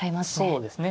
そうですね。